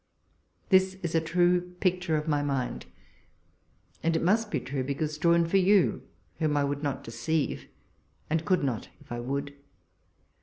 This is a true picture of my mind ; and it must be true, because drawn for you, whom I would not deceive, and could not, if I would.